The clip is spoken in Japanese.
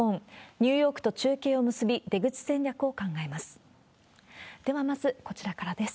ニューヨークと中継を結び、出口戦略を考えます。